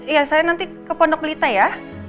ya saya nanti ke pondok melita ya